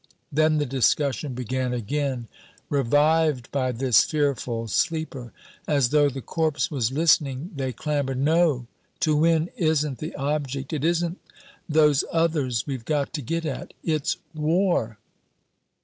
Then the discussion began again, revived by this fearful sleeper. As though the corpse was listening they clamored "No! To win isn't the object. It isn't those others we've got to get at it's war."